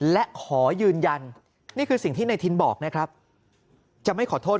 และขอยืนยันนี่คือสิ่งที่ในทินบอกนะครับจะไม่ขอโทษ